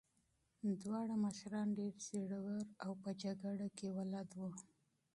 دواړه مشران ډېر زړور او په جګړه کې ماهر وو.